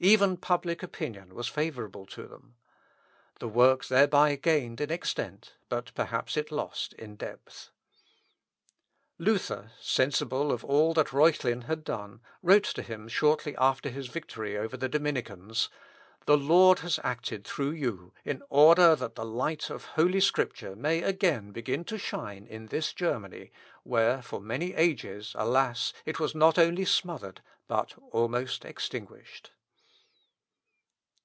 Even public opinion was favourable to them. The work thereby gained in extent, but perhaps it lost in depth. Luther, sensible of all that Reuchlin had done, wrote to him shortly after his victory over the Dominicans, "The Lord has acted through you, in order that the light of Holy Scripture may again begin to shine in this Germany, where, for many ages, alas! it was not only smothered, but almost extinguished."